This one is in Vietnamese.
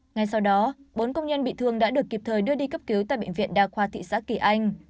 ngay sau đó bốn công nhân bị thương đã được kịp thời đưa đi cấp cứu tại bệnh viện đa khoa thị xã kỳ anh